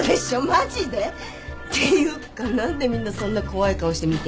マジで？っていうか何でみんなそんな怖い顔して見てんの？